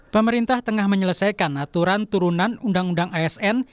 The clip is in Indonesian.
pemerintah tengah menyelesaikan aturan turunan undang undang asn